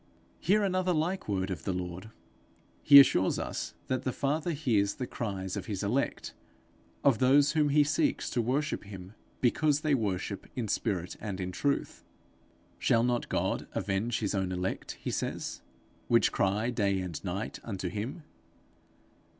Hear another like word of the Lord. He assures us that the Father hears the cries of his elect of those whom he seeks to worship him because they worship in spirit and in truth. 'Shall not God avenge his own elect,' he says, 'which cry day and night unto him?'